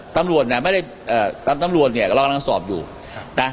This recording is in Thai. ตำรวจน่ะไม่ได้เอ่อตำตำรวจเนี้ยก็เรากำลังสอบอยู่ไหม